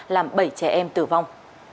làm bảy trẻ em tử vong